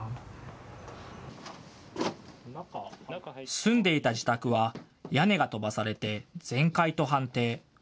住んでいた自宅は、屋根が飛ばされて全壊と判定。